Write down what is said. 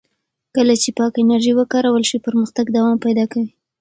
کله چې پاکه انرژي وکارول شي، پرمختګ دوام پیدا کوي.